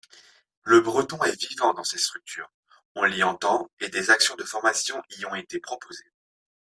Le breton est vivant dans ces structures, on l’y entend et des actions de formation y ont été proposées.